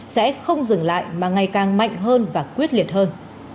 sẽ không dừng lại mà ngày càng mạnh hơn và quyết liệt hơn